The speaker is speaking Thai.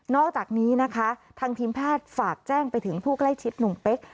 อกจากนี้นะคะทางทีมแพทย์ฝากแจ้งไปถึงผู้ใกล้ชิดหนุ่มเป๊ก